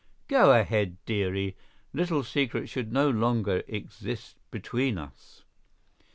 "Go ahead, dearie. Little secrets should no longer exist between us."